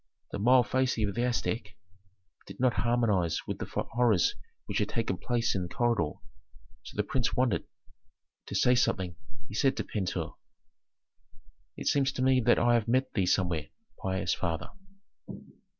The mild face of the ascetic did not harmonize with the horrors which had taken place in the corridor; so the prince wondered. To say something, he said to Pentuer, "It seems to me that I have met thee somewhere, pious father?"